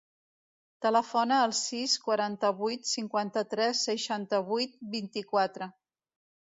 Telefona al sis, quaranta-vuit, cinquanta-tres, seixanta-vuit, vint-i-quatre.